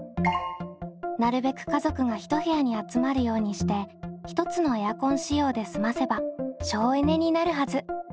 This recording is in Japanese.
なるべく家族が一部屋に集まるようにして１つのエアコン使用で済ませば省エネになるはず。